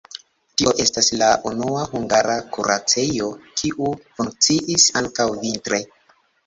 Tio estis la unua hungara kuracejo, kiu funkciis ankaŭ vintre.